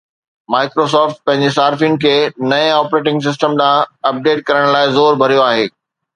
Microsoft پنهنجي صارفين کي نئين آپريٽنگ سسٽم ڏانهن اپڊيٽ ڪرڻ لاء زور ڀريو آهي